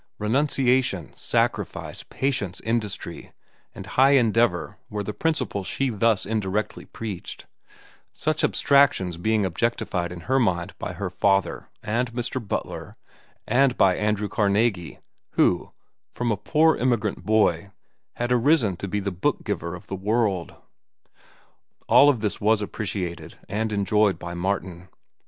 Renunciation, sacrifice, patience, industry, and high endeavor were the principles she thus indirectly preached—such abstractions being objectified in her mind by her father, and Mr. Butler, and by Andrew Carnegie, who, from a poor immigrant boy had arisen to be the book giver of the world. All of which was appreciated and enjoyed by Martin.